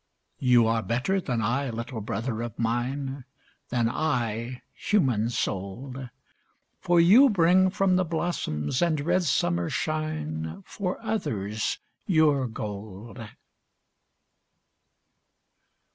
You are better than I, little brother of mine, Than I, human souled, For you bring from the blossoms and red summer shine, For others, your gold.